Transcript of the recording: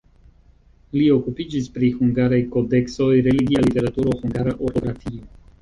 Li okupiĝis pri hungaraj kodeksoj, religia literaturo, hungara ortografio.